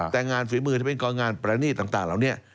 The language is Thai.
แต่งานฝีมือที่เป็นกรงานปรณีต่างแล้วเนี่ย